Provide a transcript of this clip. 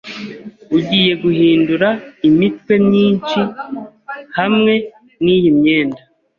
Ugiye guhindura imitwe myinshi hamwe niyi myenda.